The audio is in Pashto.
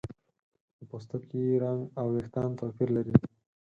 د پوستکي رنګ او ویښتان توپیر لري.